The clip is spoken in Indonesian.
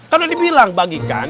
kan udah dibilang bagikan